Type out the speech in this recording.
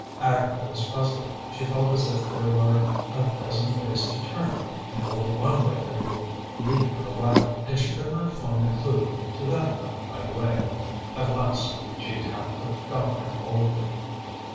Agatha was puzzled. She felt as if there were a dozen ways to turn and only one way that would lead her aright; and she could not find the clue to that one right way. At last she attacked the doctor boldly.